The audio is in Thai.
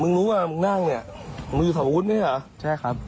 อยกพวกมารุมทำร้ายเค้านะครับ